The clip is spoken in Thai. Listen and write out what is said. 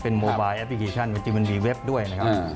โมบายแอปพลิเคชันจริงมันมีเว็บด้วยนะครับ